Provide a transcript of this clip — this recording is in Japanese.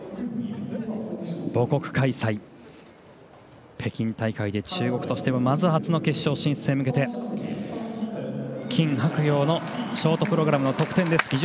母国開催、北京大会で中国としてはまず初の決勝進出へ向けて金博洋のショートプログラムの得点です。